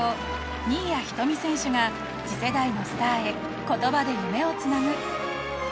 新谷仁美選手が次世代のスターへ言葉で夢をつなぐ。